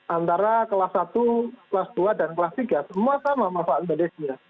antara kelas satu kelas dua dan kelas tiga semua sama manfaat medisnya